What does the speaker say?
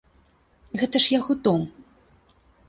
Гэта ж яго дом!